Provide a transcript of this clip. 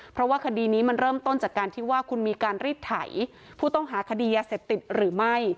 เพราะว่าคดีนี้มันเริ่มต้นจากการที่ว่าคุณมีการรีดไถผู้ต้องหาคดียาเสพติดหรือไม่